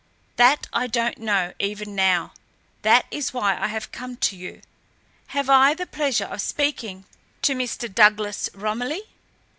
That I don't know, even now. That is why I have come to you. Have I the pleasure of speaking to Mr. Douglas Romilly?"